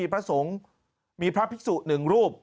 พระสงฆ์มีพระภิกษุ๑รูป